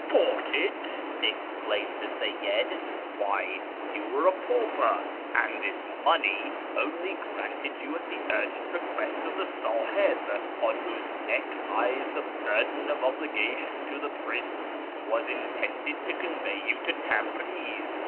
" Bought it !" exclaimed the Seyyid, " why you were a pauper, and this money, only granted you at the urgent request of the Sahib (on whose neck lies the burden of obliga tion to the prince), was intended to convey you to Tabriz.